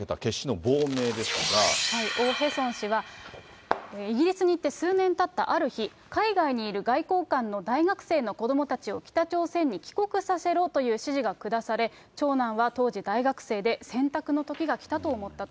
オ・ヘソン氏は、イギリスに行って数年たったある日、海外にいる外交官の大学生の子どもたちを北朝鮮に帰国させろという指示が下され、長男は当時大学生で、選択のときがきたと思ったと。